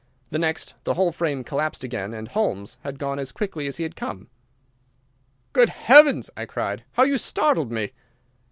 The next the whole frame collapsed again, and Holmes had gone as quickly as he had come. "Good heavens!" I cried. "How you startled me!"